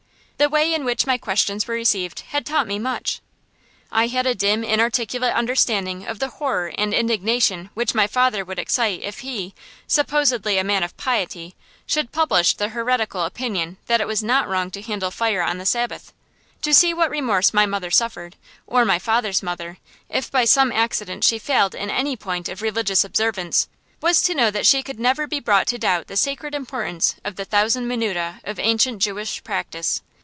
The way in which my questions were received had taught me much. I had a dim, inarticulate understanding of the horror and indignation which my father would excite if he, supposedly a man of piety, should publish the heretical opinion that it was not wrong to handle fire on the Sabbath. To see what remorse my mother suffered, or my father's mother, if by some accident she failed in any point of religious observance, was to know that she could never be brought to doubt the sacred importance of the thousand minutiæ of ancient Jewish practice.